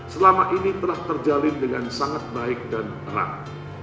selama ini telah terjalin dengan sangat baik dan erat